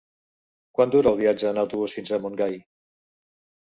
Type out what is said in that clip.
Quant dura el viatge en autobús fins a Montgai?